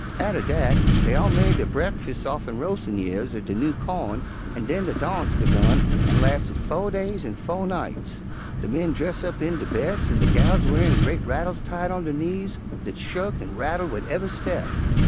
Atter dat, dey all made der bre'kfus' offen roas'in' years er de new cawn an' den de darnse begun an' lasted fo' days an' fo' nights; de men dress' up in der bes' an' de gals wearin' gre't rattles tied on der knees, dat shuk an' rattled wid ev'y step.